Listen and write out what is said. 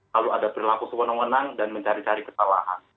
kalau ada berlaku sewenang wenang dan mencari cari ketalahan